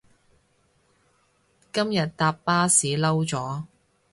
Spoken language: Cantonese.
今日搭巴士嬲咗